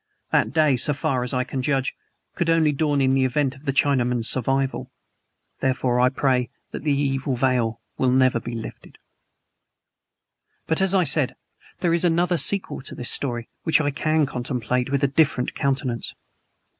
That day, so far as I can judge, could only dawn in the event of the Chinaman's survival; therefore I pray that the veil be never lifted. But, as I have said, there is another sequel to this story which I can contemplate with a different countenance.